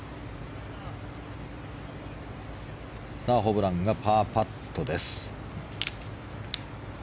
さあ、ホブランパーパットです。